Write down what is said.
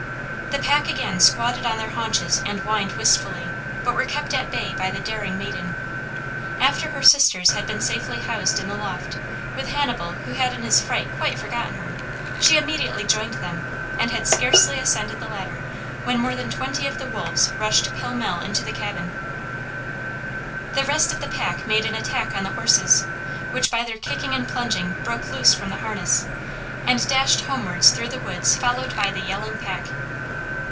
The pack again squatted on their haunches and whined wistfully, but were kept at bay by the daring maiden. After her sisters had been safely housed in the loft, with Hannibal who had in his fright quite forgotten her, she immediately joined them and had scarcely ascended the ladder when more than twenty of the wolves rushed pell mell into the cabin. The rest of the pack made an attack on the horses, which by their kicking and plunging broke loose from the harness, and dashed homewards through the woods followed by the yelling pack.